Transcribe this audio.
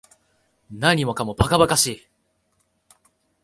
何もかも馬鹿馬鹿しい